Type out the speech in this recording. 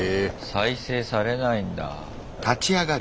再生されないんだ。